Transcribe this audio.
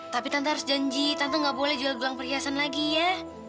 tapi tante harus janji tanta gak boleh jual gulang perhiasan lagi ya